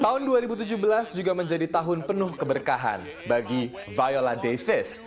tahun dua ribu tujuh belas juga menjadi tahun penuh keberkahan bagi viola davis